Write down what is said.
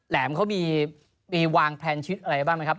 แหมเขามีวางแพลนชีวิตอะไรบ้างไหมครับ